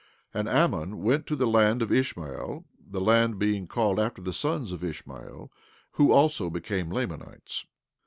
17:19 And Ammon went to the land of Ishmael, the land being called after the sons of Ishmael, who also became Lamanites.